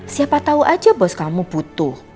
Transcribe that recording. siapa tahu aja bos kamu butuh